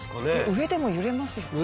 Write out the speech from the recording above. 上でも揺れますよね。